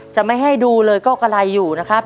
จะไม่ให้ดูเลยก็กะไรอยู่นะครับ